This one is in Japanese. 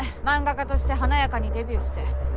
漫画家として華やかにデビューして。